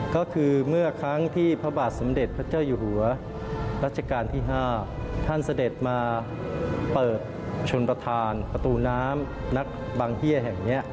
ก็คือเมื่อครั้งที่พระบาทสมเด็จพระเจ้าอยู่หัวรัชกาลที่๕ท่านเสด็จมาเปิดชนประธานประตูน้ำนักบังเฮียแห่งนี้